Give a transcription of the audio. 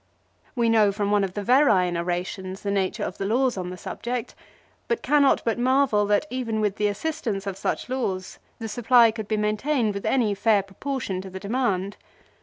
We know from one of the Verrine orations the nature of the laws on the subject ; but cannot but marvel that even with the assistance of such laws the supply could be maintained with any fair proportion to the demand.